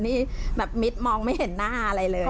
นี่แบบมิดมองไม่เห็นหน้าอะไรเลย